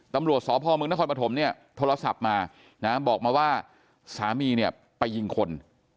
ตำรวจสพมนครปฐมเนี่ยโทรศัพท์มานะบอกมาว่าสามีเนี่ยไปยิงคน